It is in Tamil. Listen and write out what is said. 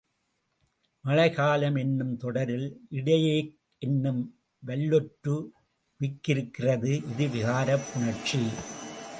மழைக்காலம் என்னும் தொடரில் இடையே க் என்னும் வல்லொற்று மிக்கிருக்கிறது இது விகாரப் புணர்ச்சி.